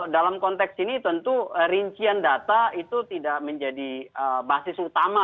dalam konteks ini tentu rincian data itu tidak menjadi basis utama